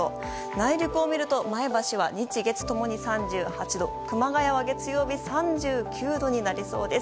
内陸を見ると、前橋は日曜、月曜共に３８度熊谷は月曜日、３９度になりそうです。